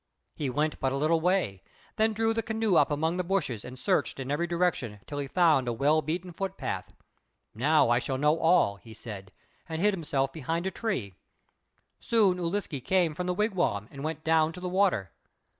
He went but a little way, then drew the canoe up among the bushes and searched in every direction till he found a well beaten foot path. "Now I shall know all," he said, and hid himself behind a tree. Soon Ūliske came from the wigwam and went down to the water.